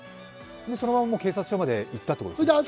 そのまんま警察署まで行ったっていうことですね。